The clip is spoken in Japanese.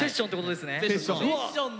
セッションだ。